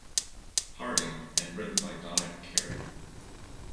Harding and written by Donick Cary.